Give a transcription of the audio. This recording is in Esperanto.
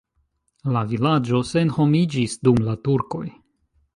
La vilaĝo senhomiĝis dum la turkoj.